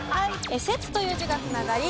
「説」という字が繋がり